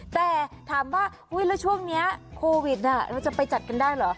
แต่ถามว่าแล้วช่วงนี้โควิดเราจะไปจัดกันได้เหรอ